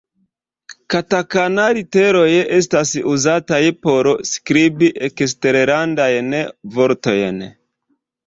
Katakana-literoj estas uzataj por skribi eksterlandajn vortojn.